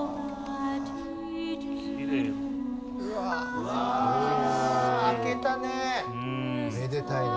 うわあ明けたね。